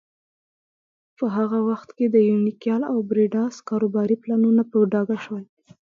په هغه وخت کې د یونیکال او بریډاس کاروباري پلانونه په ډاګه شول.